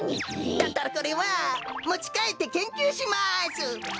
だったらこれはもちかえってけんきゅうします！